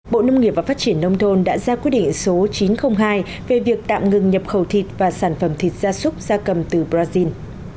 bộ nông nghiệp và phát triển nông thôn đã ra quyết định số chín trăm linh hai về việc tạm ngừng nhập khẩu thịt và sản phẩm thịt gia súc gia cầm từ brazil